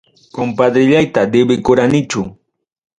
Compadrellayta debekuranichu.